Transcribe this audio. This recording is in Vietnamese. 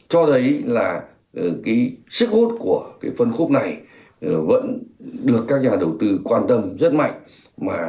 cho thấy là sức hút của phân khúc này vẫn được các nhà đầu tư quan tâm